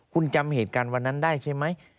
คุณจำเหตุการณ์วันนั้นได้ใช่ไหม